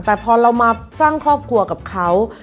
แต่พอเรามาสร้างครอบครัวกับเขา